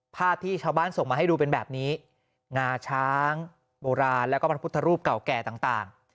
ภาพที่ชาวบ้านส่งมาให้ดูเป็นแบบนี้งาช้างโบราณแล้วก็พระพุทธรูปเก่าแก่ต่าง